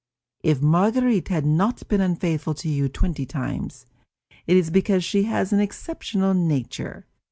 If Marguerite has not been unfaithful to you twenty times, it is because she has an exceptional nature.